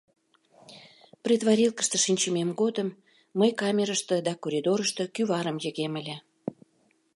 «Предварилкыште» шинчымем годым мый камерыште да коридорышто кӱварым йыгем ыле.